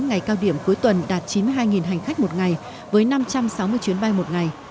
ngày cao điểm cuối tuần đạt chín mươi hai hành khách một ngày với năm trăm sáu mươi chuyến bay một ngày